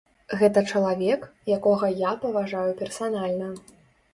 Гэта чалавек, якога я паважаю персанальна.